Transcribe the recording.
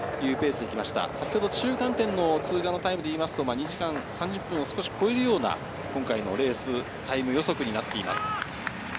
先ほど中間点の通過タイムでいいますと、２時間３０分を少し超えるような今回のレース、タイム予測になっています。